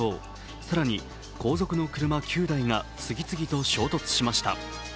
更に後続の車９台が次々と衝突しました。